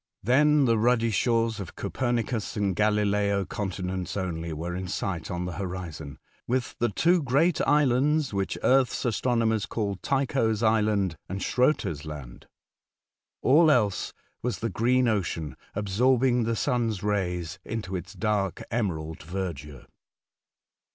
Then the ruddy shores of Copernicus and Galileo continents only were in sight on the horizon, with the two great islands which earth's astronomers call Tycho's Island and Schroeter's Land. All else was the green ocean absorbing the sun's rays into its dark emerald verdure.